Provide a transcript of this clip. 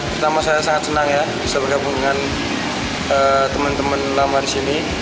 pertama saya sangat senang ya bisa bergabung dengan teman teman lama di sini